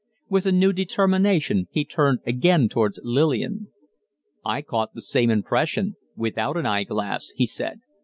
With a new determination he turned again towards Lillian. "I caught the same impression without an eyeglass," he said.